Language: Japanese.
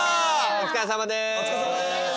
お疲れさまです。